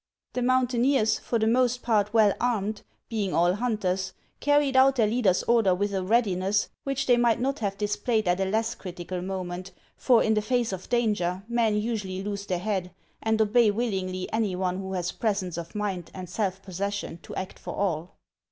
The mountaineers, for the most part well armed, being all hunters, carried out their leader's order with a readiness which they might not have displayed at a less critical moment ; for in the face of danger men usually lose their head, and obey willingly any one who has presence of mind and self possession to act for all.